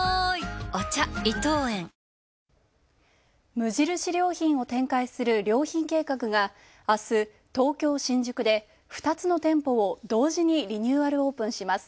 無印良品を展開する良品計画があす東京・新宿で２つの店舗を同時にリニューアルオープンします。